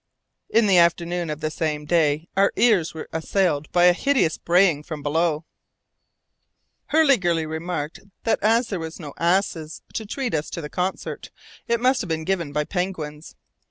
In the afternoon of the same day our ears were assailed by a hideous braying from below. Hurliguerly remarked that as there were no asses to treat us to the concert, it must be given by penguins.